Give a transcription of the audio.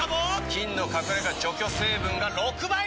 菌の隠れ家除去成分が６倍に！